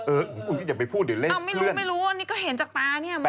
เอออย่าไปพูดหรือเลขเลื่อนไม่รู้อันนี้ก็เห็นจากตานี่มอง